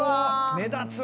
目立つ！